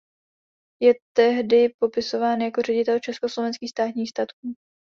Je tehdy popisován jako ředitel Československých státních statků.